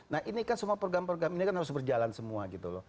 nah ini kan semua program program ini kan harus berjalan semua gitu loh